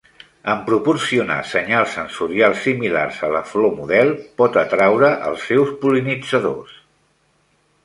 En proporcionar senyals sensorials similars a la flor model, pot atraure els seus pol·linitzadors.